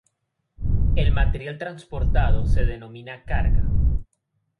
El material transportado se denomina carga.